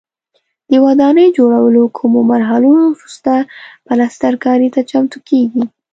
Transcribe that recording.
د ودانۍ جوړولو کومو مرحلو وروسته پلسترکاري ته چمتو کېږي.